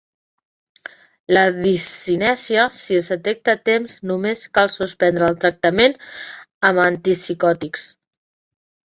La discinèsia, si es detecta a temps, només cal suspendre el tractament amb antipsicòtics.